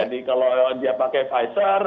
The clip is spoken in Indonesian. jadi kalau dia pakai pfizer